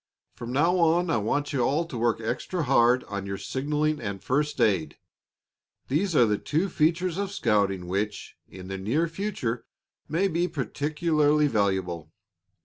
"From now on I want you all to work extra hard on your signaling and first aid. These are the two features of scouting which, in the near future, may be particularly valuable.